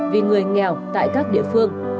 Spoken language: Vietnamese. vì người nghèo tại các địa phương